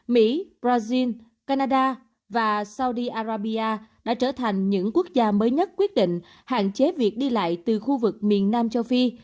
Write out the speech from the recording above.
mỹ brazil canada và saudi arabia đã trở thành những quốc gia mới nhất quyết định hạn chế việc đi lại từ khu vực miền nam châu phi